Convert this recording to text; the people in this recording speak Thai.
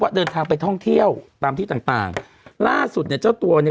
เดินทางไปท่องเที่ยวตามที่ต่างต่างล่าสุดเนี่ยเจ้าตัวเนี่ย